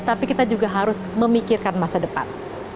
tapi kita juga harus memikirkan masa depan